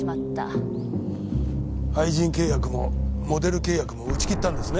愛人契約もモデル契約も打ち切ったんですね。